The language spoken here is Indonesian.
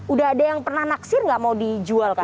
udah ada yang pernah naksir nggak mau dijual kan